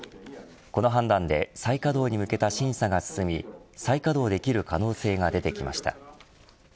この判断で、再稼働に向けた審査が進み、再稼働できる可能性が出てきました。